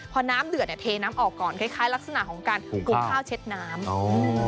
พอน้ำเดือดเนี่ยเทน้ำออกก่อนคล้ายคล้ายลักษณะของการปรุงข้าวเช็ดน้ำอ๋อ